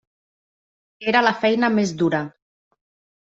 Era la feina més dura.